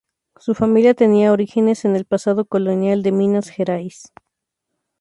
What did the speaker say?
Su familia tenía orígenes en el pasado colonial de Minas Gerais.